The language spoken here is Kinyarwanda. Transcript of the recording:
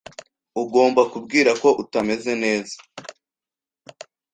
Ugomba kubwira ko utameze neza.